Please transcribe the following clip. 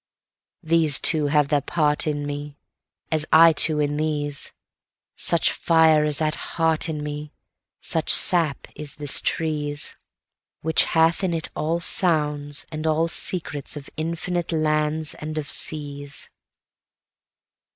These too have their part in me, As I too in these; Such fire is at heart in me, Such sap is this tree's, Which hath in it all sounds and all secrets of infinite lands and of seas.